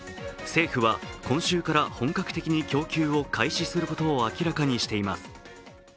政府は今週から本格的に供給を開始することを明らかにしています。